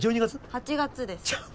８月です！